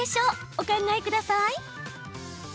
お考えください。